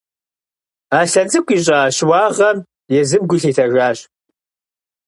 Аслъэн цӏыкӏу ищӏа щыуагъэм езым гу лъитэжащ.